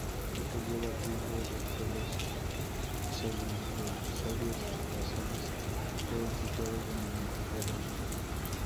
Esto lleva al riesgo de que los celurosaurios basales queden situados de manera errónea.